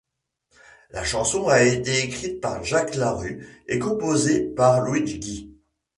La chanson a été écrite par Jacques Larue et composée par Louiguy.